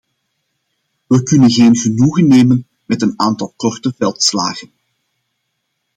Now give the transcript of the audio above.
We kunnen geen genoegen nemen met een aantal korte veldslagen.